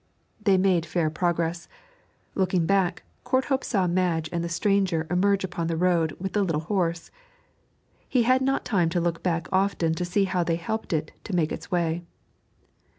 They made fair progress. Looking back, Courthope saw Madge and the stranger emerge upon the road with the little horse. He had not time to look back often to see how they helped it to make its way.